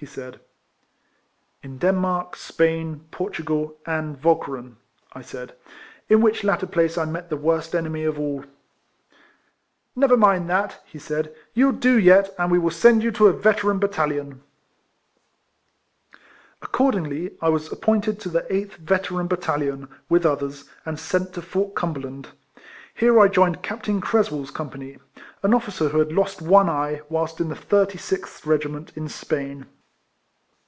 he said. '* In Denmark, Spain, Portugal, and Walcheren," I said, " in which latter place I met the worst enemy of all." " Never mind that," he said, " you '11 do yet; and we will send you to a Veteran Battalion." RIFLEMAN HARRIS. 277 Accordingly I was appointed to the 8th Veteran Battalion, with others, and sent to Fort Cumberland. Here I joined Captain Cres well's company — an officer who had lost one eye, whilst in the 36th Regiment, in Spain.